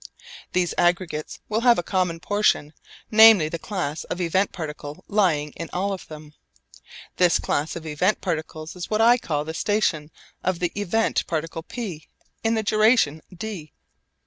These aggregates will have a common portion, namely the class of event particle lying in all of them. This class of event particles is what I call the 'station' of the event particle P in the duration d.